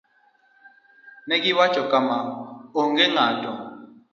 Ne giwacho kama: "Onge ng'ato